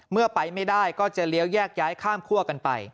เมื่อไปไม่ได้ก็จะเลี้ยวแยกย้ายข้ามคั่วกันไป